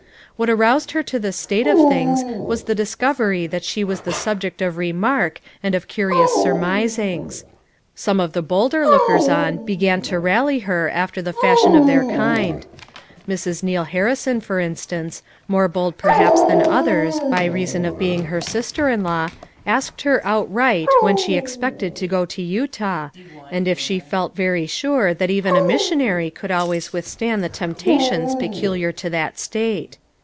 "What aroused her to this state of things was the discovery that she was the subject of remark and of curious sur misings. Some of the bolder lookers on began to rally her after the fashion of their kind. Mrs. Neal Harrison, for instance, more bold perhaps than others by reason of being her sis ter in law, aslced her outright when she ex pected to go to Utah, and if she felt very sure that even a missionary could always withstand the temptations peculiar to that state.